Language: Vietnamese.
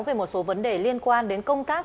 về một số vấn đề liên quan đến công tác